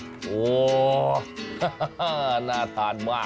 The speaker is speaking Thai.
ครับโหหน้าทานมาก